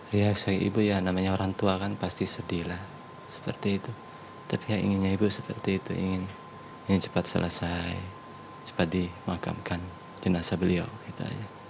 lihat sang ibu ya namanya orang tua kan pasti sedih lah seperti itu tapi yang inginnya ibu seperti itu ingin cepat selesai cepat dimakamkan jenazah beliau gitu aja